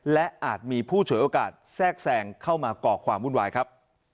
และอาจมีผู้ฉวยโอกาสแทรกแซงเข้ามาก่อความวุ่นวายครับ